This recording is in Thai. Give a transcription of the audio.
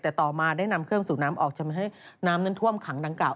แต่ต่อมาได้นำเครื่องสูบน้ำออกจะมาให้น้ำนั้นท่วมขังดังกล่า